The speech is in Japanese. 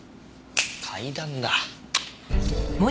階段だ。